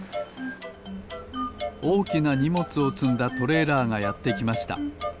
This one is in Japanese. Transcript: おおきなにもつをつんだトレーラーがやってきました。